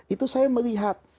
itu saya melihat